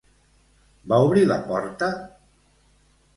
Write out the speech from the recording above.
Va obrir la porta?